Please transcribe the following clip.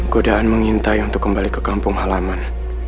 godaan mengintai untuk kembali ke kampung halaman